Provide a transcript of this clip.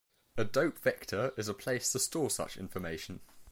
A dope vector is a place to store such information.